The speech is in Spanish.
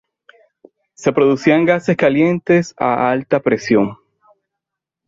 Se producían gases calientes a alta presión.